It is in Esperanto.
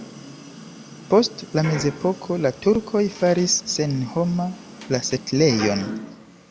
Post la mezepoko la turkoj faris senhoma la setlejon.